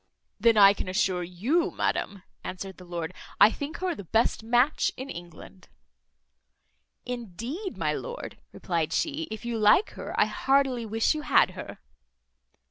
"Then I can assure you, madam," answered the lord, "I think her the best match in England." "Indeed, my lord," replied she, "if you like her, I heartily wish you had her."